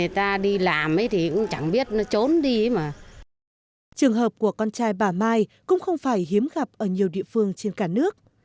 trường hợp của con trai bà mai cũng không phải hiếm gặp ở nhiều địa phương trên cả nước